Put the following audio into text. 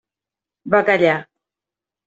Va callar.